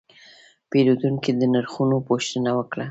پیرودونکی د نرخونو پوښتنه وکړه.